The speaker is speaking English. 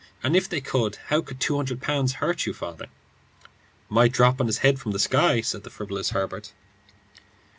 And if they could, how could two hundred pounds hurt you, father?" "Might drop on his head from the sky," said the frivolous Herbert.